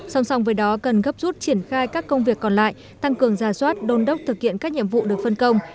song song với đó cần gấp rút triển khai các công việc còn lại tăng cường giả soát đôn đốc thực hiện các nhiệm vụ được phân công